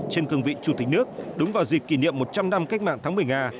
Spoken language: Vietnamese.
trên cương vị chủ tịch nước đúng vào dịp kỷ niệm một trăm linh năm cách mạng tháng một mươi nga